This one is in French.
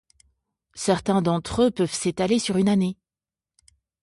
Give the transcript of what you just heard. Certains d'entre eux peuvent s'étaler sur une année.